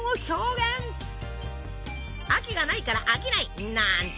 「秋」がないから「飽きない」！なんて